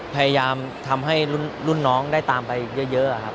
พยายามทำให้รุ่นน้องได้ตามไปเยอะครับ